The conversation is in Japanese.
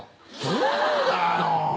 そうだよ。